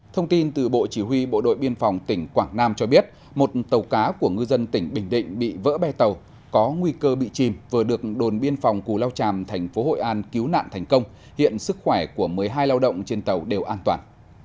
thông tin từ bộ chỉ huy bộ đội biên phòng tỉnh quảng nam cho biết một tàu cá của ngư dân tỉnh bình định bị vỡ bè tàu có nguy cơ bị chìm vừa được đồn biên phòng cù lao tràm thành phố hội an cứu nạn thành công hiện sức khỏe của một mươi hai lao động trên tàu đều an toàn